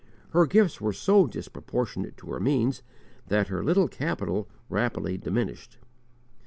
Her gifts were so disproportionate to her means that her little capital rapidly diminished.